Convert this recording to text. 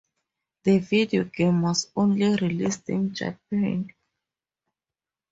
The video game was only released in Japan.